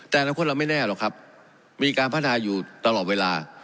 แต่อนาคตเราไม่แน่หรอกครับมีการพัฒนาอยู่ตลอดเวลา